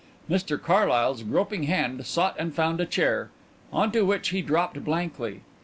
Mr Carlyle's groping hand sought and found a chair, on to which he dropped blankly.